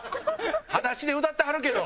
裸足で歌ってはるけど。